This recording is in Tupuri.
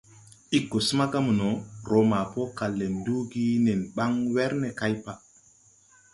Ig go smaga mono, roo ma po kal le nduugi nen baŋ wer ne kay paʼ.